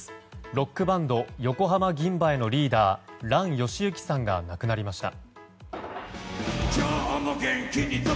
ロックバンド横浜銀蝿のリーダー嵐ヨシユキさんが亡くなりました。